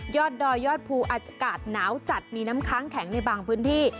ดอยยอดภูอากาศหนาวจัดมีน้ำค้างแข็งในบางพื้นที่